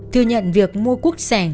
thừa nhận việc mua quốc sản